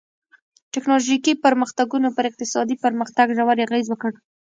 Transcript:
ټکنالوژیکي پرمختګونو پر اقتصادي پرمختګ ژور اغېز وکړ.